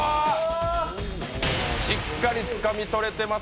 しっかりつかみ取れてます。